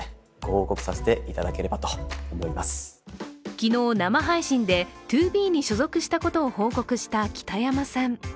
昨日、生配信でＴＯＢＥに所属したことを報告した北山さん。